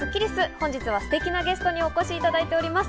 本日はステキなゲストにお越しいただいております。